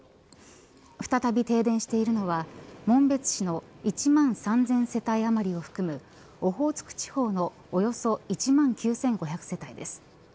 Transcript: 再び停電しているのは紋別市の１万３０００世帯余りを含むオホーツク地方のおよそ１万９５００世帯です。